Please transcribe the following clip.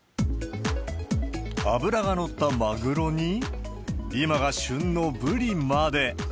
脂が乗ったマグロに、今が旬のブリまで。